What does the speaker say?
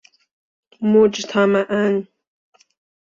مجتمعاً